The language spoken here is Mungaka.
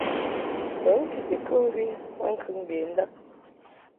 Ghə ŋkiti kɨmvi maŋkəŋ mbendab.